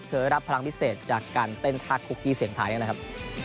ได้รับพลังพิเศษจากการเต้นท่าคุกกี้เสียงไทยนะครับ